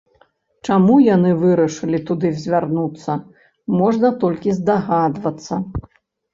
Чаму яны вырашылі туды звярнуцца, можна толькі здагадвацца.